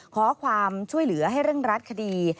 ขอความช่วยเหลือให้เร่งรัดคดี